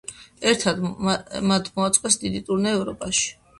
ერთად მათ მოაწყვეს დიდი ტურნე ევროპაში.